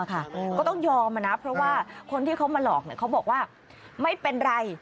ก็ต้องยอมนะเพราะว่าคนที่เขามาหลอกเขาบอกว่าไม่เป็นไร